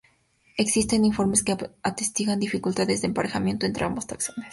Existen informes que atestiguan dificultades de emparejamiento entre ambos taxones.